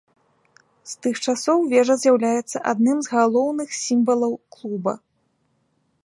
З тых часоў вежа з'яўляецца адным з галоўных сімвалаў клуба.